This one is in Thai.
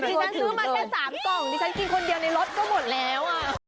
ฉันซื้อมาแค่๓กล่องดิฉันกินคนเดียวในรถก็หมดแล้ว